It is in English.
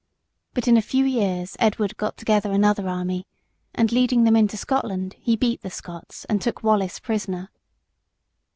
But in a few years Edward got together another army, and leading them into Scotland he beat the Scots and took Wallace prisoner.